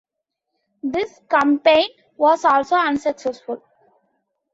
This campaign was also unsuccessful.